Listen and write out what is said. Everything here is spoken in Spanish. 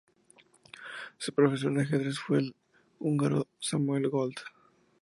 Su profesor de ajedrez fue el húngaro Samuel Gold.